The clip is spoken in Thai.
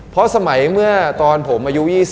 เพราะสมัยตอนผมมาอายุ๒๐